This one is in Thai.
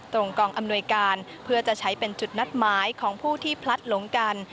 กองอำนวยการเพื่อจะใช้เป็นจุดนัดหมายของผู้ที่พลัดหลงกัน